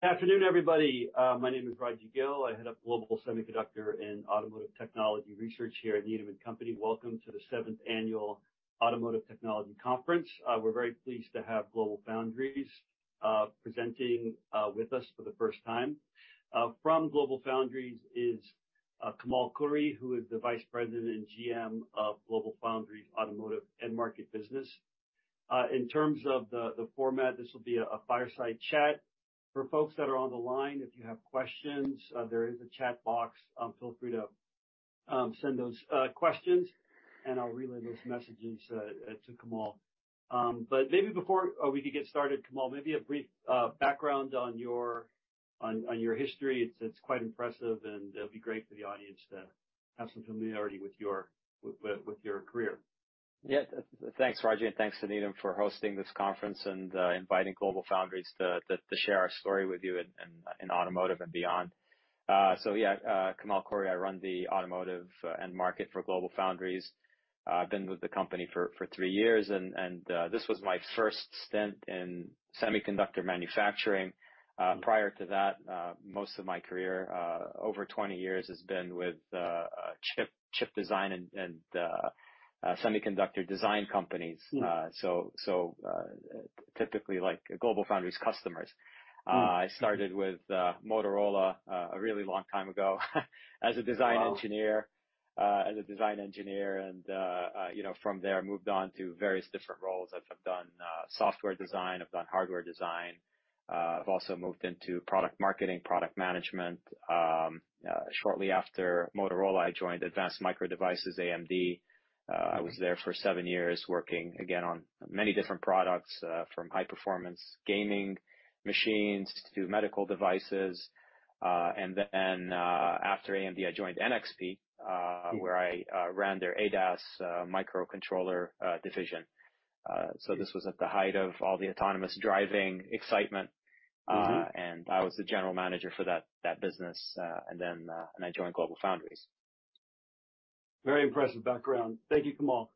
Afternoon, everybody. My name is Raji Gill. I head up Global Semiconductor and Automotive Technology Research here at Needham & Company. Welcome to the seventh Annual Automotive Technology Conference. We're very pleased to have GlobalFoundries presenting with us for the first time. From GlobalFoundries is Kamal Khouri, who is the Vice President and GM of GlobalFoundries Automotive End Market business. In terms of the format, this will be a fireside chat. For folks that are on the line, if you have questions, there is a chat box. Feel free to send those questions, and I'll relay those messages to Kamal. Maybe before we could get started, Kamal, maybe a brief background on your history.It's quite impressive, and it'll be great for the audience to have some familiarity with your career. Yeah. Thanks, Raji, and thanks to Needham for hosting this conference and inviting GlobalFoundries to share our story with you in automotive and beyond. Kamal Khouri, I run the automotive end market for GlobalFoundries. I've been with the company for 3 years and this was my first stint in semiconductor manufacturing. Prior to that, most of my career, over 20 years, has been with Chip design and semiconductor design companies. Mm. So typically, like GlobalFoundries customers. Mm-hmm. I started with Motorola, a really long time ago, as a design engineer. Wow! As a design engineer, and, you know, from there, I moved on to various different roles. I've done, software design, I've done hardware design. I've also moved into product marketing, product management. Shortly after Motorola, I joined Advanced Micro Devices, AMD. Mm-hmm. I was there for seven years, working again on many different products, from high-performance gaming machines to medical devices. After AMD, I joined NXP. Mm where I ran their ADAS microcontroller division. This was at the height of all the autonomous driving excitement. Mm-hmm. I was the general manager for that business, and then, and I joined GlobalFoundries. Very impressive background. Thank you, Kamal.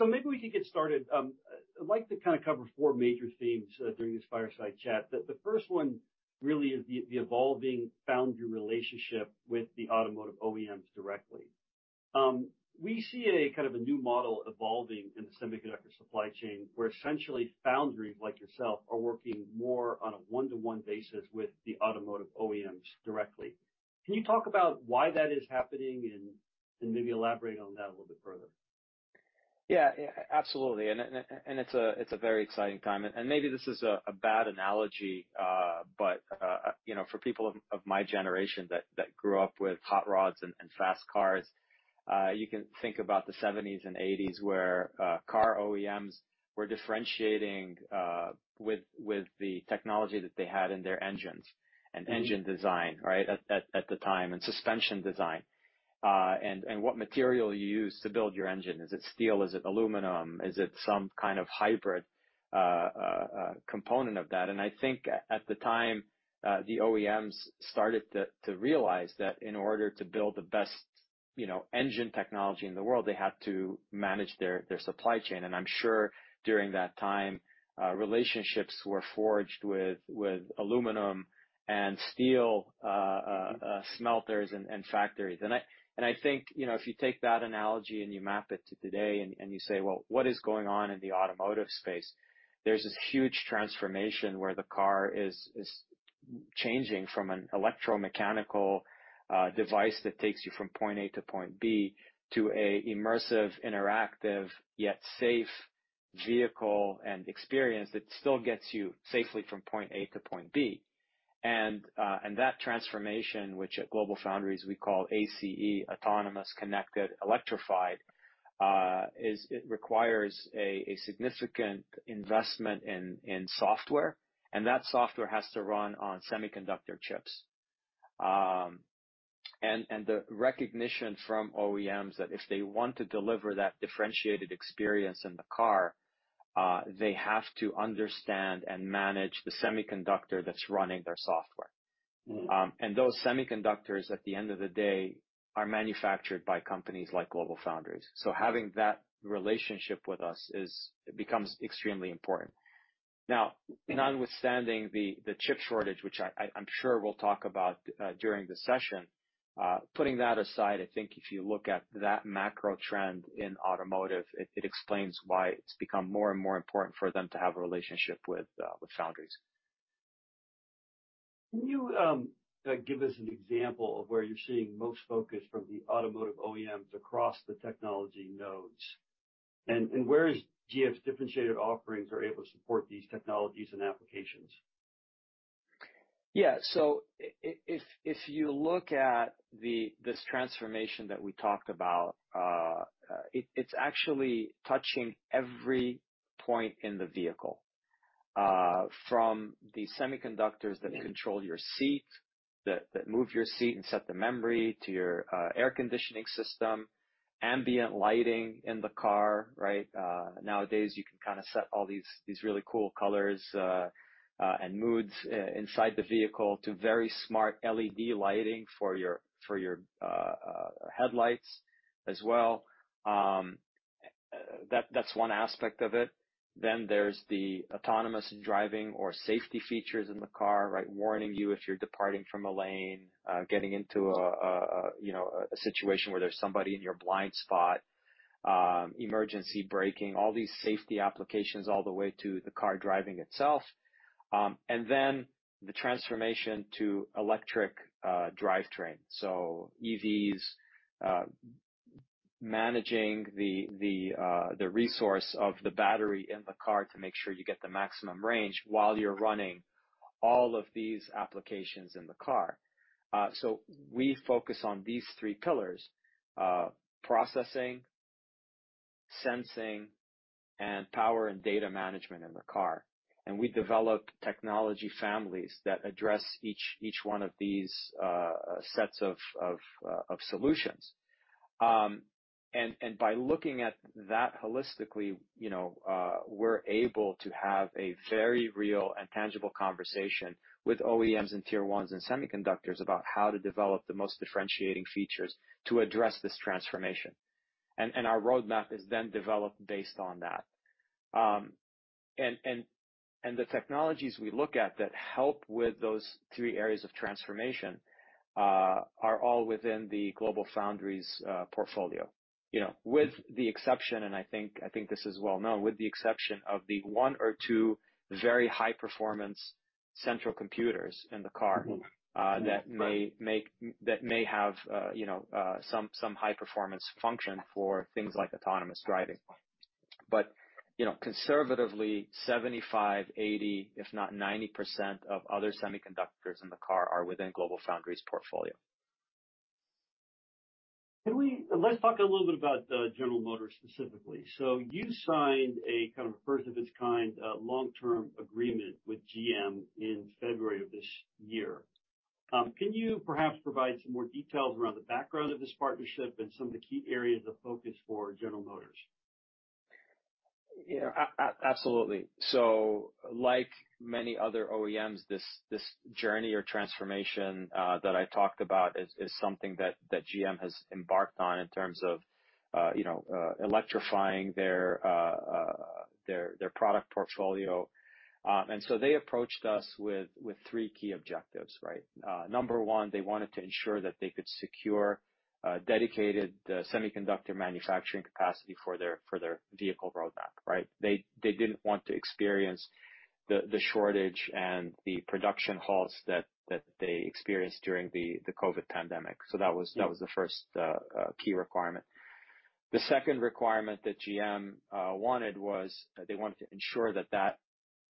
Maybe we could get started. I'd like to kind of cover 4 major themes during this fireside chat. The, the first one really is the evolving foundry relationship with the automotive OEMs directly. We see a kind of a new model evolving in the semiconductor supply chain, where essentially foundries like yourself are working more on a one-to-one basis with the automotive OEMs directly. Can you talk about why that is happening and maybe elaborate on that a little bit further? Yeah, yeah, absolutely. It's a very exciting time, and maybe this is a bad analogy. You know, for people of my generation that grew up with hot rods and fast cars, you can think about the seventies and eighties, where car OEMs were differentiating with the technology that they had in their engines. Mm... and engine design, right, at the time, and suspension design. And what material you use to build your engine. Is it steel? Is it aluminum? Is it some kind of hybrid component of that? And I think at the time, the OEMs started to realize that in order to build the best, you know, engine technology in the world, they had to manage their supply chain. And I'm sure during that time, relationships were forged with aluminum and steel smelters and factories. And I think, you know, if you take that analogy and you map it to today and you say, well, what is going on in the automotive space? There's this huge transformation where the car is changing from an electromechanical device that takes you from point A to point B, to a immersive, interactive, yet safe vehicle and experience that still gets you safely from point A to point B. That transformation, which at GlobalFoundries we call ACE, autonomous, connected, electrified, requires a significant investment in software, and that software has to run on semiconductor chips. The recognition from OEMs that if they want to deliver that differentiated experience in the car, they have to understand and manage the semiconductor that's running their software. Mm. Those semiconductors, at the end of the day, are manufactured by companies like GlobalFoundries. Having that relationship with us, it becomes extremely important. Notwithstanding the chip shortage, which I'm sure we'll talk about during the session, putting that aside, I think if you look at that macro trend in automotive, it explains why it's become more and more important for them to have a relationship with Foundries. Can you give us an example of where you're seeing most focus from the automotive OEMs across the technology nodes? Where is GF's differentiated offerings are able to support these technologies and applications? Yeah. If you look at this transformation that we talked about, it's actually touching every point in the vehicle, from the semiconductors that control your seat, that move your seat and set the memory, to your air conditioning system, ambient lighting in the car, right? Nowadays, you can kind of set all these really cool colors and moods inside the vehicle to very smart LED lighting for your headlights as well. That's one aspect of it. There's the autonomous driving or safety features in the car, right? Warning you if you're departing from a lane, getting into a, you know, a situation where there's somebody in your blind spot, emergency braking, all these safety applications all the way to the car driving itself. The transformation to electric drivetrain. EVs, managing the resource of the battery in the car to make sure you get the maximum range while you're running all of these applications in the car. We focus on these three pillars: processing, sensing, and power and data management in the car. We develop technology families that address each one of these sets of solutions. By looking at that holistically, you know, we're able to have a very real and tangible conversation with OEMs and Tier 1s and semiconductors about how to develop the most differentiating features to address this transformation. Our roadmap is then developed based on that. The technologies we look at that help with those three areas of transformation, are all within the GlobalFoundries portfolio. You know, with the exception, and I think this is well known, with the exception of the one or two very high-performance central computers in the car. Mm-hmm. that may have, you know, some high-performance function for things like autonomous driving. But, you know, conservatively, 75%, 80%, if not 90% of other semiconductors in the car are within GlobalFoundries' portfolio. Let's talk a little bit about General Motors specifically. You signed a kind of first of its kind, long-term agreement with GM in February of this year. Can you perhaps provide some more details around the background of this partnership and some of the key areas of focus for General Motors? Yeah, absolutely. Like many other OEMs, this journey or transformation that I talked about is something that GM has embarked on in terms of, you know, electrifying their product portfolio. They approached us with three key objectives, right? Number one, they wanted to ensure that they could secure dedicated semiconductor manufacturing capacity for their vehicle roadmap, right? They didn't want to experience the shortage and the production halts that they experienced during the COVID pandemic. Yeah. That was the first key requirement. The second requirement that GM wanted was they wanted to ensure that that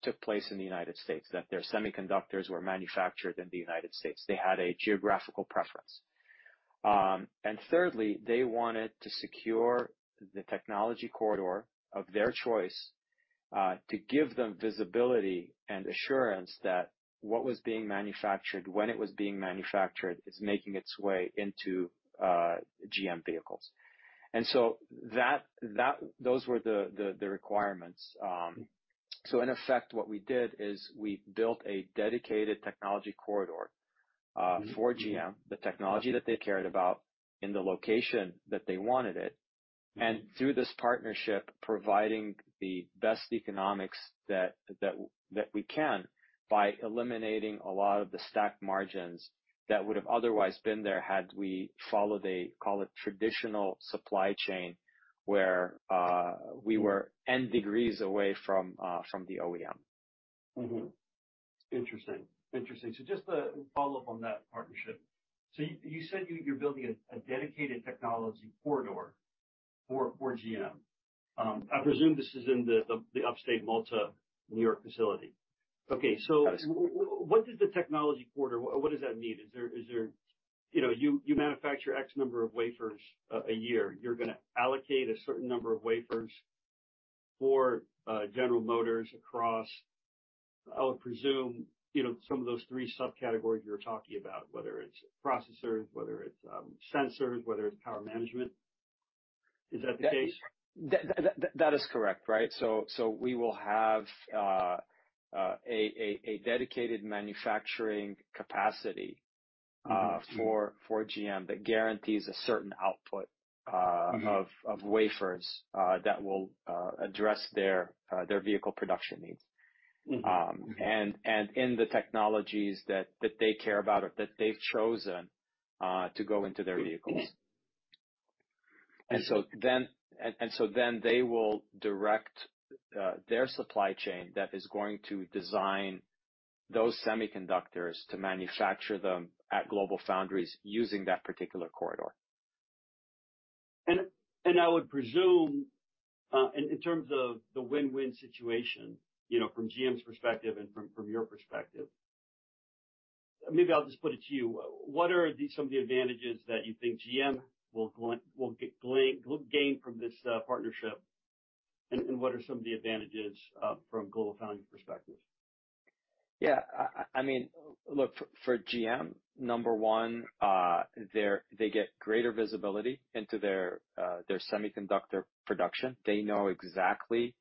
took place in the United States, that their semiconductors were manufactured in the United States. They had a geographical preference. Thirdly, they wanted to secure the technology corridor of their choice to give them visibility and assurance that what was being manufactured, when it was being manufactured, is making its way into GM vehicles. Those were the requirements. In effect, what we did is we built a dedicated technology corridor. Mm-hmm. for GM, the technology that they cared about in the location that they wanted it, and through this partnership, providing the best economics that we can by eliminating a lot of the stack margins that would have otherwise been there had we followed a, call it, traditional supply chain, where we were n degrees away from from the OEM. Mm-hmm. Interesting. Interesting. Just to follow up on that partnership. You said you're building a dedicated technology corridor for GM. I presume this is in the upstate Malta, New York, facility. Okay. Yes. What does the technology corridor, what does that mean? Is there... You know, you manufacture X number of wafers a year. You're gonna allocate a certain number of wafers for General Motors across, I would presume, you know, some of those three subcategories you were talking about, whether it's processors, whether it's sensors, whether it's power management. Is that the case? That is correct, right. We will have a dedicated manufacturing capacity. Mm-hmm. for GM that guarantees a certain output. Mm-hmm... of wafers, that will address their vehicle production needs. Mm-hmm. In the technologies that they care about or that they've chosen, to go into their vehicles. Mm-hmm. They will direct their supply chain that is going to design those semiconductors to manufacture them at GlobalFoundries using that particular corridor. I would presume, in terms of the win-win situation, you know, from GM's perspective and from your perspective. Maybe I'll just put it to you. What are some of the advantages that you think GM will gain from this partnership? What are some of the advantages from GlobalFoundries' perspective? Yeah, I mean, look, for GM, number one, they get greater visibility into their semiconductor production. They know exactly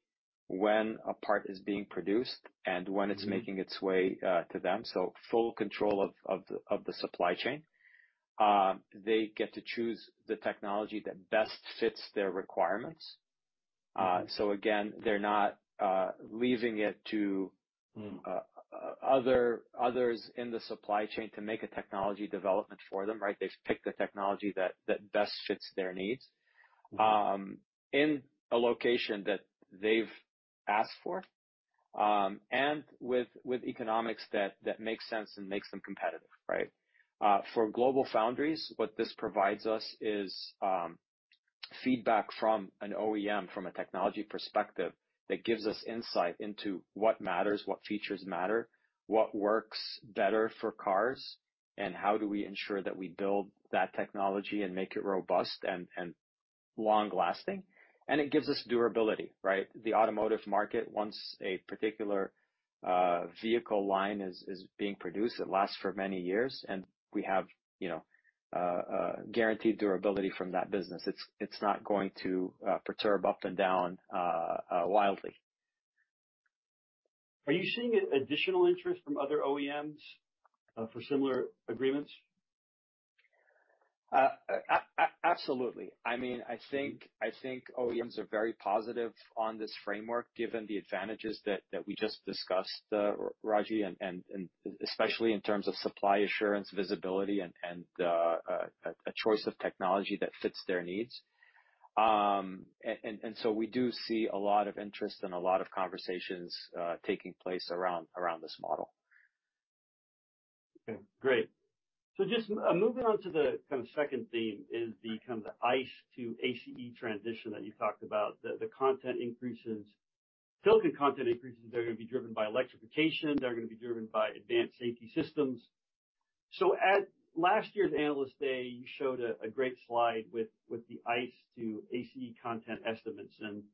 when a part is being produced and when it's making its way to them, so full control of the supply chain. They get to choose the technology that best fits their requirements. So again, they're not leaving it to- Mm-hmm others in the supply chain to make a technology development for them, right? They pick the technology that best fits their needs, in a location that they've asked for, and with economics that makes sense and makes them competitive, right? For GlobalFoundries, what this provides us is feedback from an OEM, from a technology perspective, that gives us insight into what matters, what features matter, what works better for cars, and how do we ensure that we build that technology and make it robust and long-lasting, and it gives us durability, right? The automotive market, once a particular vehicle line is being produced, it lasts for many years, and we have, you know, guaranteed durability from that business. It's not going to perturb up and down wildly. Are you seeing additional interest from other OEMs, for similar agreements? Absolutely. I mean, I think OEMs are very positive on this framework, given the advantages that we just discussed, Raji, and especially in terms of supply assurance, visibility, and a choice of technology that fits their needs. So we do see a lot of interest and a lot of conversations taking place around this model. Okay, great. Just moving on to the kind of second theme is the kind of the ICE to ACE transition that you talked about, silicon content increases that are going to be driven by electrification, that are going to be driven by advanced safety systems. At last year's Analyst Day, you showed a great slide with the ICE to ACE content estimates, and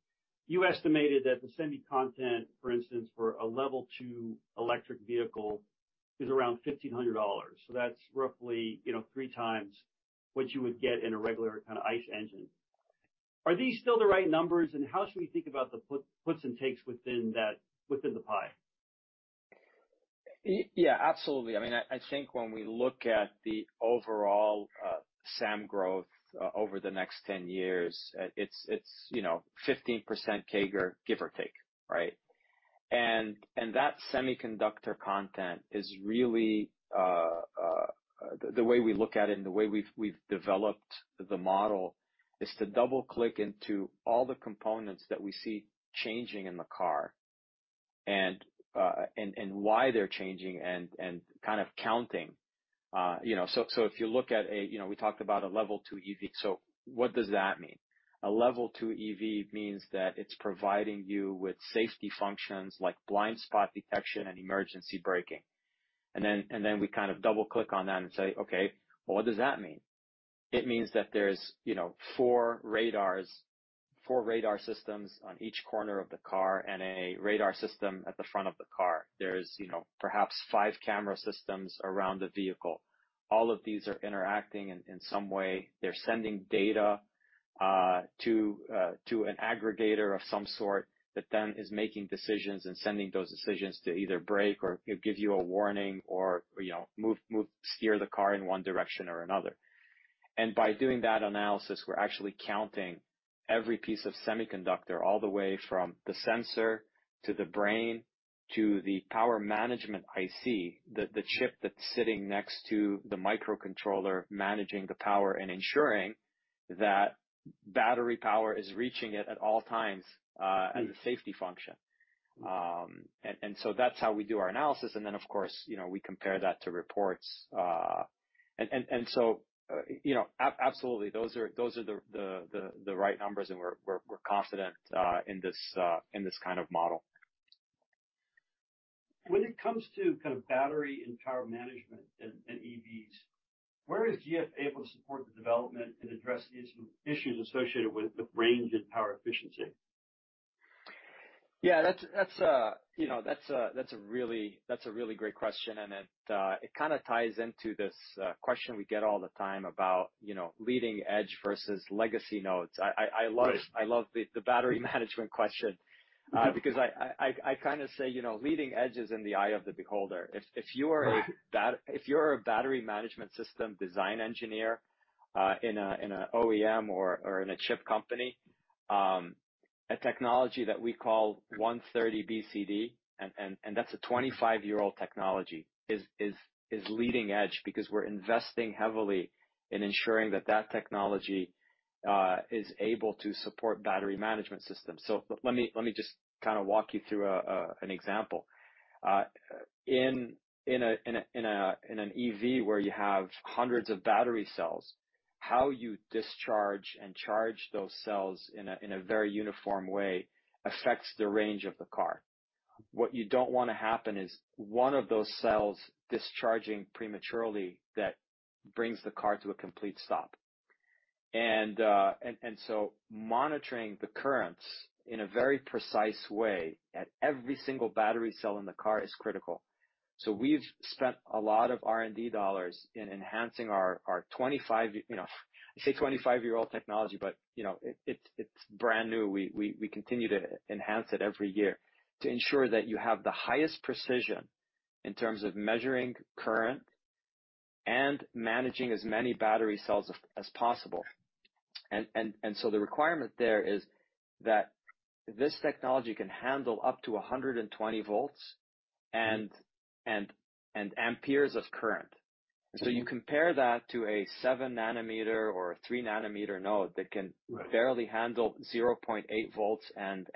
you estimated that the semi content, for instance, for a Level 2 electric vehicle, is around $1,500. That's roughly, you know, 3 times what you would get in a regular kind of ICE engine. Are these still the right numbers? How should we think about the puts and takes within that, within the pie? Yeah, absolutely. I mean, I think when we look at the overall SAM growth over the next 10 years, it's, you know, 15% CAGR, give or take, right? That semiconductor content is really the way we look at it and the way we've developed the model is to double-click into all the components that we see changing in the car and why they're changing and kind of counting. You know, if you look at a Level 2 EV, what does that mean? A Level 2 EV means that it's providing you with safety functions like blind spot detection and emergency braking. We kind of double-click on that and say, "Okay, well, what does that mean?" It means that there's, you know, four radars, four radar systems on each corner of the car and a radar system at the front of the car. There's, you know, perhaps five camera systems around the vehicle. All of these are interacting in some way. They're sending data to an aggregator of some sort, that then is making decisions and sending those decisions to either brake or, you know, give you a warning or, you know, move, steer the car in one direction or another. By doing that analysis, we're actually counting every piece of semiconductor, all the way from the sensor to the brain to the power management IC, the chip that's sitting next to the microcontroller, managing the power and ensuring that battery power is reaching it at all times, as a safety function. That's how we do our analysis. Then, of course, you know, we compare that to reports. Absolutely, those are the right numbers, and we're confident in this kind of model. When it comes to kind of battery and power management and EVs, where is GF able to support the development and address the issues associated with the range and power efficiency? Yeah, that's, you know, that's a really great question, and it kind of ties into this, question we get all the time about, you know, leading edge versus legacy nodes. Right. I love the battery management question because I kind of say, you know, leading edge is in the eye of the beholder. If you are a. Right. If you're a battery management system design engineer, in a OEM or in a chip company, a technology that we call 130nm BCD, and that's a 25-year-old technology, is leading edge because we're investing heavily in ensuring that that technology, is able to support battery management systems. Let me just kind of walk you through an example. In an EV where you have hundreds of battery cells, how you discharge and charge those cells in a very uniform way affects the range of the car. What you don't want to happen is one of those cells discharging prematurely that brings the car to a complete stop. Monitoring the currents in a very precise way at every single battery cell in the car is critical. We've spent a lot of R&D dollars in enhancing our 25, you know, I say 25-year-old technology, but you know, it's, it's brand new. We continue to enhance it every year to ensure that you have the highest precision in terms of measuring current and managing as many battery cells as possible. The requirement there is that this technology can handle up to 120 volts and amperes of current. You compare that to a 7nm or a 3nm node that can. Right. -barely handle 0.8 volts and,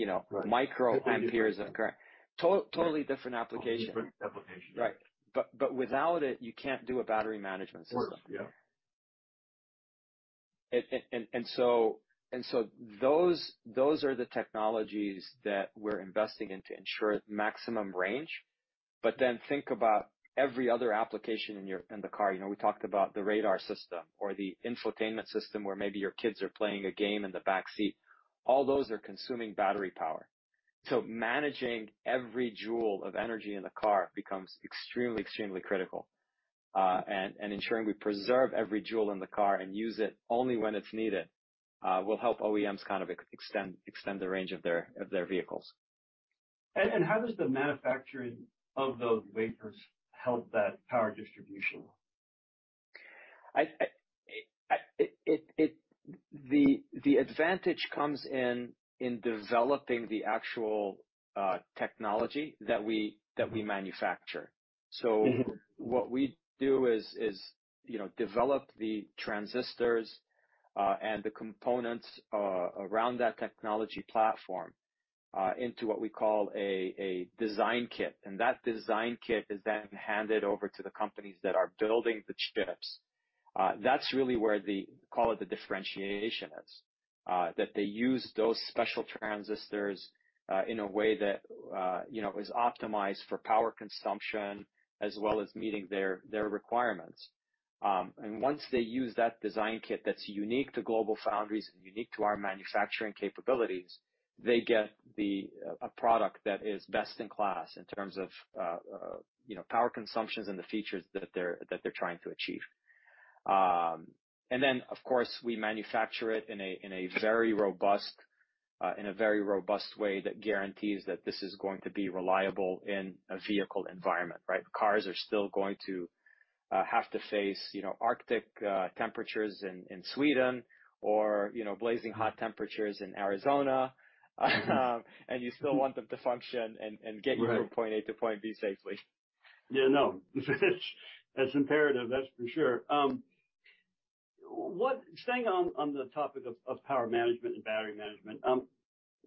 you know- Right. -microamperes of current. totally different application. Different application. Right. Without it, you can't do a battery management system. Works, yeah. Those are the technologies that we're investing in to ensure maximum range. Think about every other application in your, in the car. You know, we talked about the radar system or the infotainment system, where maybe your kids are playing a game in the back seat. All those are consuming battery power. Managing every joule of energy in the car becomes extremely critical. Ensuring we preserve every joule in the car and use it only when it's needed will help OEMs kind of extend the range of their, of their vehicles. How does the manufacturing of those wafers help that power distribution? I, the advantage comes in developing the actual, technology that we manufacture. Mm-hmm. What we do is, you know, develop the transistors and the components around that technology platform into what we call a design kit. That design kit is then handed over to the companies that are building the chips. That's really where the, call it, the differentiation is, that they use those special transistors in a way that, you know, is optimized for power consumption as well as meeting their requirements. Once they use that design kit, that's unique to GlobalFoundries and unique to our manufacturing capabilities, they get a product that is best in class in terms of, you know, power consumptions and the features that they're trying to achieve. Of course, we manufacture it in a very robust way that guarantees that this is going to be reliable in a vehicle environment, right? cars are still going to have to face, you know, arctic temperatures in Sweden or, you know, blazing hot temperatures in Arizona, and you still want them to function and get- Right. you from point A to point B safely. Yeah, no. That's imperative, that's for sure. Staying on the topic of power management and battery management,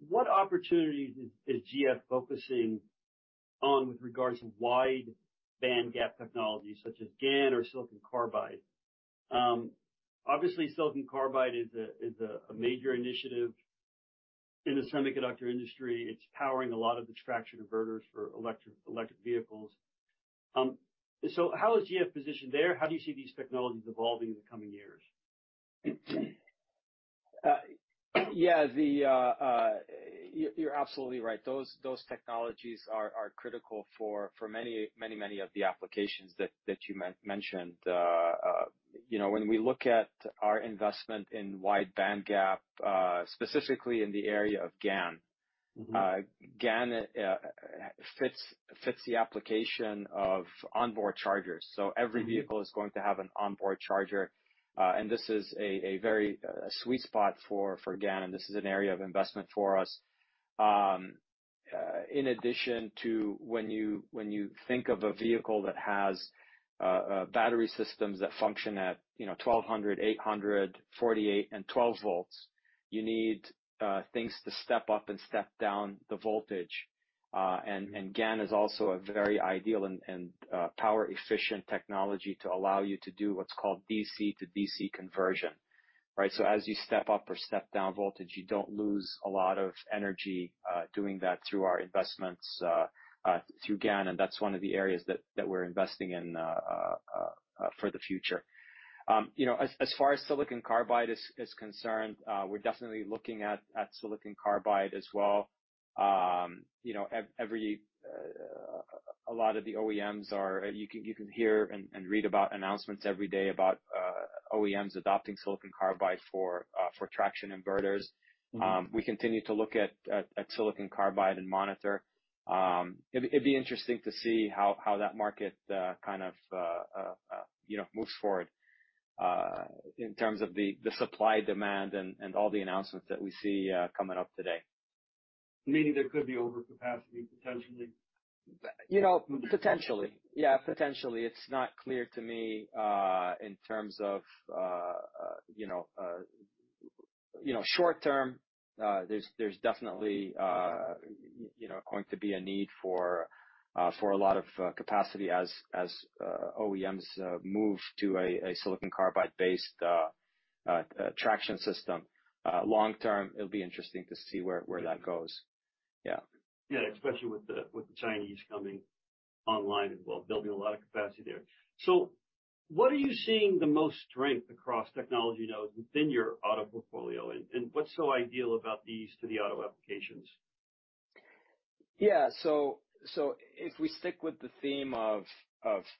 what opportunities is GF focusing on with regards to wide bandgap technologies such as GaN or silicon carbide? Obviously, silicon carbide is a major initiative in the semiconductor industry. It's powering a lot of the traction inverters for electric vehicles. How is GF positioned there? How do you see these technologies evolving in the coming years? re absolutely right. Those technologies are critical for many, many, many of the applications that you mentioned. You know, when we look at our investment in wide bandgap, specifically in the area of GaN- Mm-hmm. GaN fits the application of onboard chargers. Mm-hmm. Every vehicle is going to have an onboard charger, and this is a very sweet spot for GaN, and this is an area of investment for us. In addition to when you think of a vehicle that has battery systems that function at 1,200, 800, 48, and 12 volts, you need things to step up and step down the voltage. GaN is also a very ideal and power-efficient technology to allow you to do what's called DC-to-DC conversion, right? As you step up or step down voltage, you don't lose a lot of energy doing that through our investments through GaN, and that's one of the areas that we're investing in for the future. You know, as far as silicon carbide is concerned, we're definitely looking at silicon carbide as well. You know, you can hear and read about announcements every day about OEMs adopting silicon carbide for traction inverters. Mm-hmm. We continue to look at silicon carbide and monitor. It'd be interesting to see how that market, kind of, you know, moves forward, in terms of the supply, demand, and all the announcements that we see, coming up today. Meaning there could be overcapacity, potentially? You know, potentially. Yeah, potentially. It's not clear to me, in terms of short term, there's definitely going to be a need for a lot of capacity as OEMs move to a silicon carbide-based traction system. Long term, it'll be interesting to see where that goes. Yeah. Yeah, especially with the, with the Chinese coming online as well, building a lot of capacity there. What are you seeing the most strength across technology nodes within your auto portfolio, and what's so ideal about these to the auto applications? If we stick with the theme of,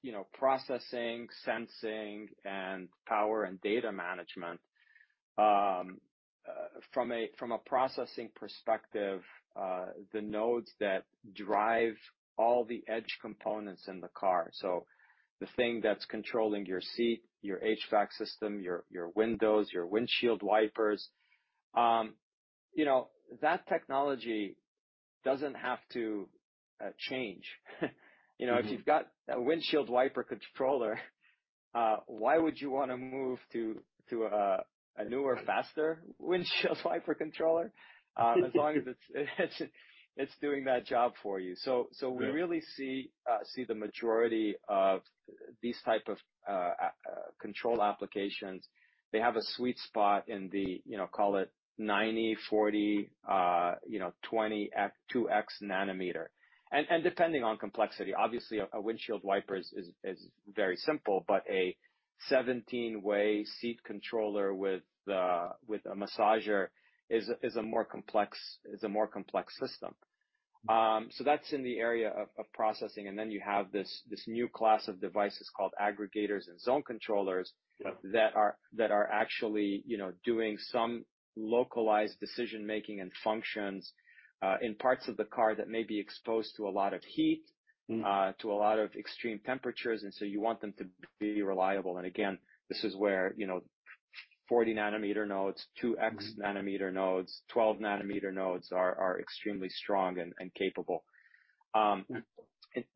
you know, processing, sensing, and power and data management, from a processing perspective, the nodes that drive all the edge components in the car. The thing that's controlling your seat, your HVAC system, your windows, your windshield wipers, you know, that technology doesn't have to change. You know. Mm-hmm. if you've got a windshield wiper controller, why would you wanna move to a newer, faster windshield wiper controller? as long as it's doing that job for you. So. Yeah we really see the majority of these type of control applications. They have a sweet spot in the, you know, call it 90, 40, you know, 20 at 2X nm. Depending on complexity. Obviously, a windshield wiper is very simple, but a 17-way seat controller with a massager is a more complex system. That's in the area of processing, and then you have this new class of devices called aggregators and zone controllers. Yeah... that are actually, you know, doing some localized decision-making and functions in parts of the car that may be exposed to a lot of heat. Mm-hmm... to a lot of extreme temperatures, you want them to be reliable. This is where, you know, 40nm nodes. Mm-hmm... nm nodes, 12nm nodes are extremely strong and capable.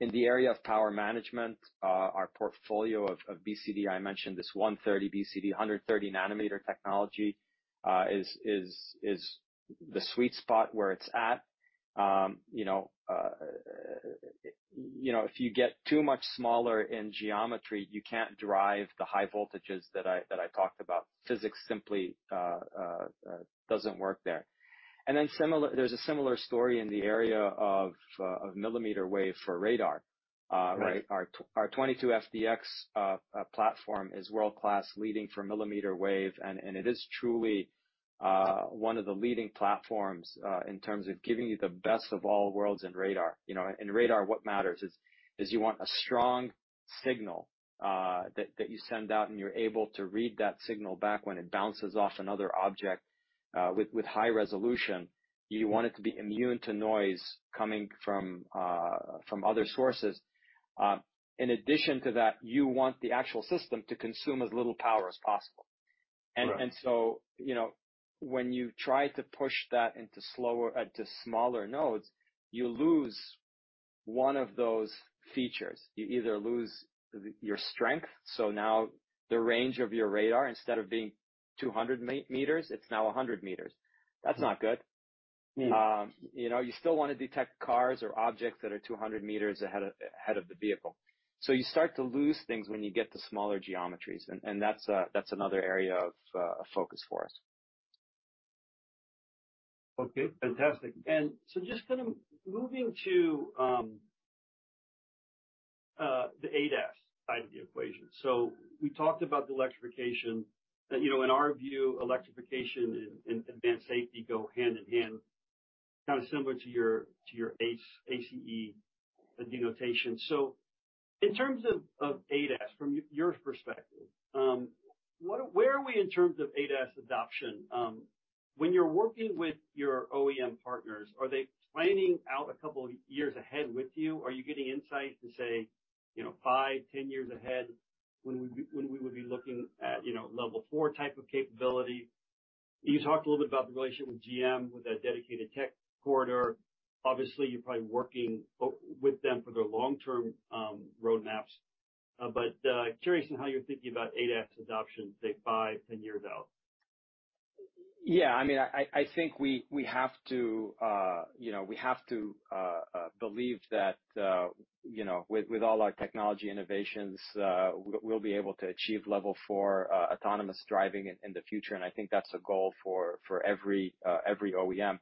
In the area of power management, our portfolio of BCD, I mentioned this 130nm BCD, 130nm technology, is the sweet spot where it's at. You know, you know, if you get too much smaller in geometry, you can't derive the high voltages that I talked about. Physics simply doesn't work there. There's a similar story in the area of millimeter wave for radar, right? Right. Our 22FDX platform is world-class leading for millimeter wave, and it is truly one of the leading platforms in terms of giving you the best of all worlds in radar. You know, in radar, what matters is you want a strong signal that you send out, and you're able to read that signal back when it bounces off another object with high resolution. Mm-hmm. You want it to be immune to noise coming from other sources. In addition to that, you want the actual system to consume as little power as possible. Right. You know, when you try to push that into slower, to smaller nodes, you lose one of those features. You either lose your strength, so now the range of your radar, instead of being 200 meters, it's now 100 meters. Mm-hmm. That's not good. Mm-hmm. you know, you still wanna detect cars or objects that are 200 meters ahead of the vehicle. You start to lose things when you get to smaller geometries, and that's another area of focus for us. Okay, fantastic. Just kind of moving to the ADAS side of the equation. We talked about the electrification. You know, in our view, electrification and advanced safety go hand in hand, kind of similar to your ACE denotation. In terms of ADAS, from your perspective, what, where are we in terms of ADAS adoption? When you're working with your OEM partners, are they planning out a couple of years ahead with you? Are you getting insight to say, you know, 5, 10 years ahead when we would be looking at, you know, Level 4 type of capability? You talked a little bit about the relationship with GM, with that dedicated tech corridor. Obviously, you're probably working with them for their long-term roadmaps, but curious on how you're thinking about ADAS adoption, say, 5, 10 years out. Yeah, I mean, I think we have to, you know, we have to believe that, you know, with all our technology innovations, we'll be able to achieve Level 4 autonomous driving in the future, and I think that's a goal for every OEM.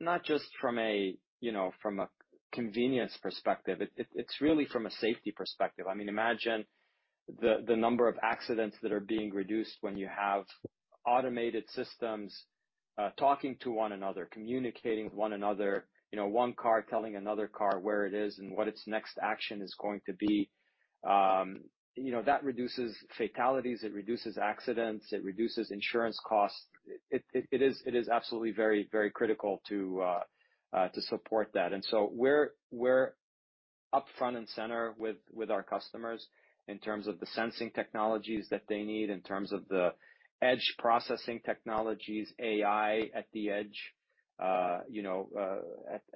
Not just from a, you know, from a convenience perspective, it's really from a safety perspective. I mean, imagine the number of accidents that are being reduced when you have automated systems talking to one another, communicating with one another. You know, one car telling another car where it is and what its next action is going to be. You know, that reduces fatalities, it reduces accidents, it reduces insurance costs.It is absolutely very critical to support that. We're up front and center with our customers in terms of the sensing technologies that they need, in terms of the edge processing technologies, AI at the edge, you know,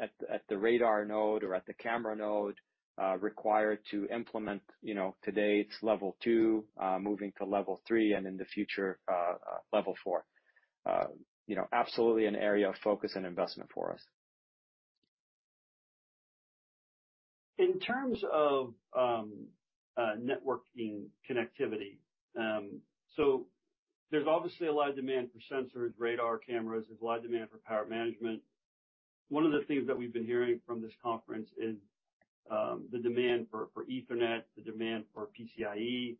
at the radar node or at the camera node, required to implement, you know, today it's Level 2, moving to Level 3 and in the future, Level 4. You know, absolutely an area of focus and investment for us. In terms of networking connectivity, there's obviously a lot of demand for sensors, radar, cameras. There's a lot of demand for power management. One of the things that we've been hearing from this conference is, the demand for Ethernet, the demand for PCIE,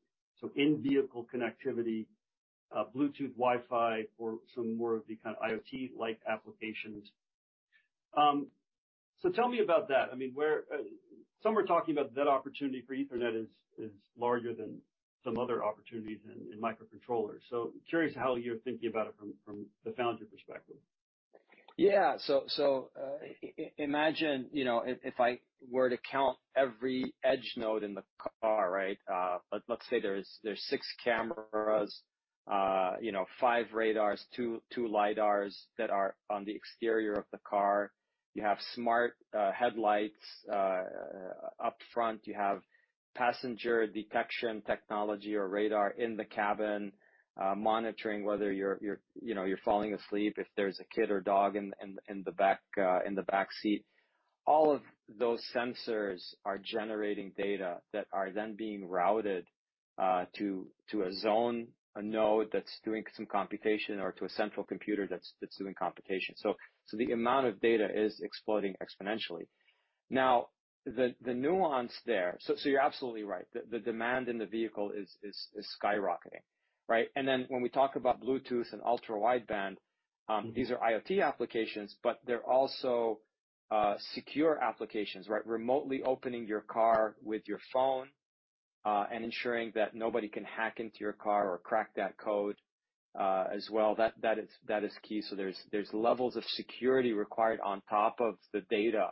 in-vehicle connectivity, Bluetooth, Wi-Fi, for some more of the kind of IoT-like applications. Tell me about that. I mean, where some are talking about that opportunity for Ethernet is larger than some other opportunities in microcontrollers. Curious how you're thinking about it from the founder perspective? Yeah. Imagine, you know, if I were to count every edge node in the car, right? Let's say there's 6 cameras, you know, 5 radars, 2 lidars that are on the exterior of the car. You have smart headlights up front. You have passenger detection technology or radar in the cabin, monitoring whether you're, you know, you're falling asleep, if there's a kid or dog in the back, in the back seat. All of those sensors are generating data that are then being routed to a zone, a node that's doing some computation or to a central computer that's doing computation. The amount of data is exploding exponentially. The nuance there. You're absolutely right. The demand in the vehicle is skyrocketing, right? When we talk about Bluetooth and ultra-wideband, these are IoT applications, but they're also secure applications, right? Remotely opening your car with your phone, and ensuring that nobody can hack into your car or crack that code as well, that is key. There's levels of security required on top of the data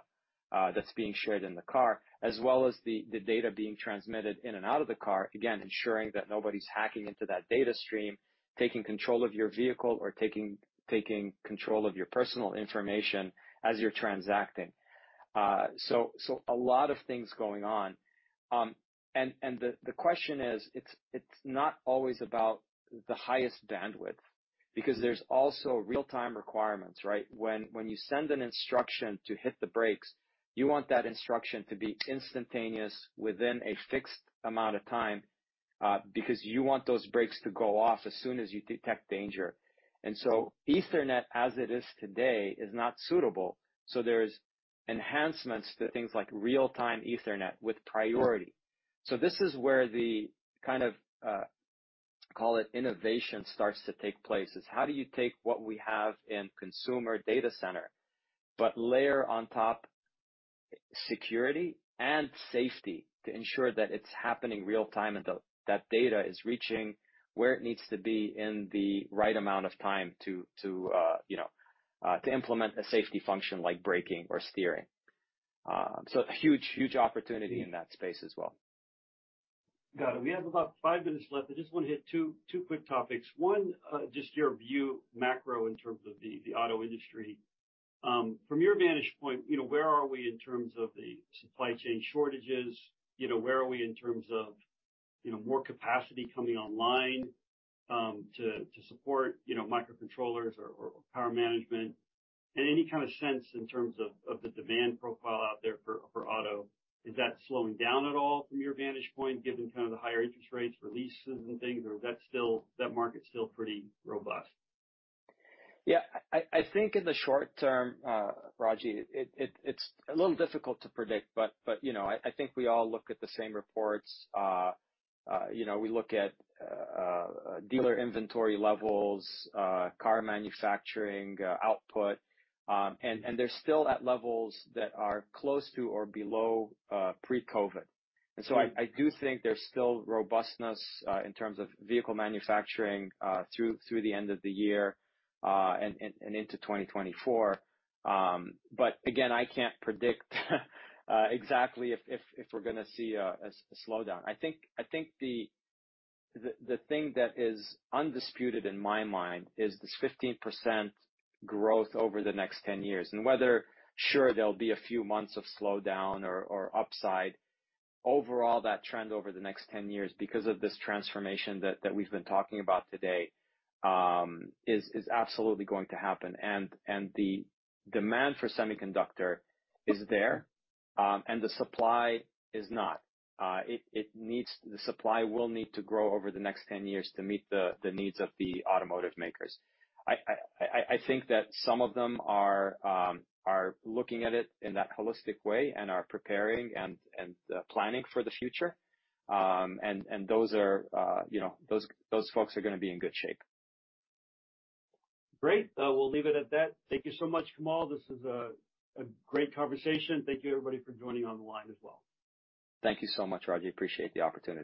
that's being shared in the car, as well as the data being transmitted in and out of the car, again, ensuring that nobody's hacking into that data stream, taking control of your vehicle or taking control of your personal information as you're transacting. A lot of things going on. The question is, it's not always about the highest bandwidth, because there's also real-time requirements, right? When you send an instruction to hit the brakes, you want that instruction to be instantaneous within a fixed amount of time because you want those brakes to go off as soon as you detect danger. Ethernet, as it is today, is not suitable. There's enhancements to things like real-time Ethernet with priority. This is where the kind of, call it, innovation starts to take place, is how do you take what we have in consumer data center, but layer on top security and safety to ensure that it's happening real time, and that data is reaching where it needs to be in the right amount of time to, you know, to implement a safety function like braking or steering. A huge, huge opportunity in that space as well. Got it. We have about 5 minutes left. I just wanna hit 2 quick topics. One, just your view, macro, in terms of the auto industry. From your vantage point, you know, where are we in terms of the supply chain shortages? You know, where are we in terms of, you know, more capacity coming online to support, you know, microcontrollers or power management? Any kind of sense in terms of the demand profile out there for auto. Is that slowing down at all from your vantage point, given kind of the higher interest rates for leases and things, or is that market still pretty robust? Yeah. I think in the short term, Raji, it's a little difficult to predict, but, you know, I think we all look at the same reports. You know, we look at dealer inventory levels, car manufacturing output, and they're still at levels that are close to or below pre-COVID. I do think there's still robustness in terms of vehicle manufacturing through the end of the year and into 2024. But again, I can't predict exactly if we're gonna see a slowdown. I think the thing that is undisputed in my mind is this 15% growth over the next 10 years. Whether, sure, there'll be a few months of slowdown or upside, overall, that trend over the next 10 years, because of this transformation that we've been talking about today, is absolutely going to happen. The demand for semiconductor is there, and the supply is not. The supply will need to grow over the next 10 years to meet the needs of the automotive makers. I think that some of them are looking at it in that holistic way and are preparing and planning for the future. Those are, you know, those folks are gonna be in good shape. Great. We'll leave it at that. Thank you so much, Kamal. This is a great conversation. Thank you, everybody, for joining on the line as well. Thank you so much, Raji. Appreciate the opportunity.